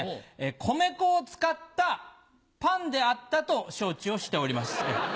米粉を使ったパンであったと承知をしております。